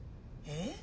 えっ？